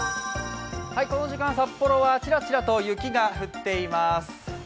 この時間、札幌はちらちらと雪が降っています。